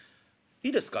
「いいですか？」。